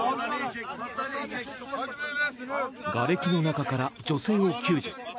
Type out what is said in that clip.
がれきの中から女性を救助。